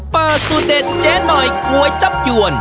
เปอร์สุดเด็ดเจ๊หน่อยกลัวยจับหยวน